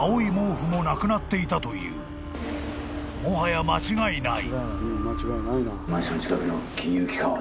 ［もはや間違いない］